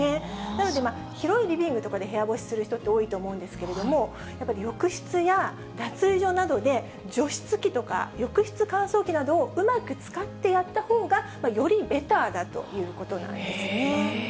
なので、広いリビングとかで部屋干しする人って多いと思うんですけれども、やっぱり浴室や脱衣所などで除湿器とか、浴室乾燥機などをうまく使ってやったほうが、よりベターだということなんですね。